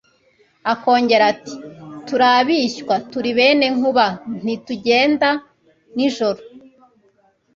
Akongera ati Turi abishywa, turi bene Nkuba ntitugenda nijoro